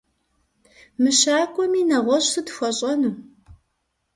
Мыщакӏуэми, нэгъуэщӏ сыт хуэщӏэну?